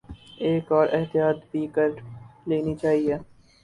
ایک اور احتیاط بھی کر لینی چاہیے۔